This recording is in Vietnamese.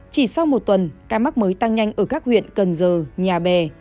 chỉ sau một tuần ca mắc mới tăng nhanh ở các huyện cần giờ nhà bè